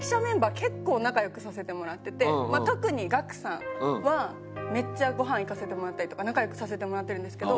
結構仲良くさせてもらってて特にガクさんはめっちゃごはん行かせてもらったりとか仲良くさせてもらってるんですけど。